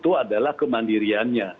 itu adalah kemandiriannya